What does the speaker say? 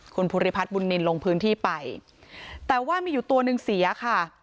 คุณภูริพัฒน์บุญนินลงพื้นที่ไปแต่ว่ามีอยู่ตัวหนึ่งเสียค่ะ